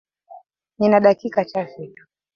Nina dakika chache tu